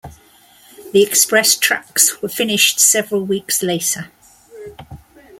The express tracks were finished several weeks later.